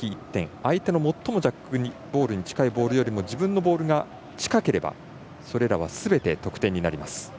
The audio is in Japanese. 相手の最もジャックボールに近いボールよりも自分のボールが近ければそれらはすべて得点になります。